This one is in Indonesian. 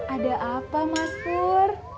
ada apa mas pur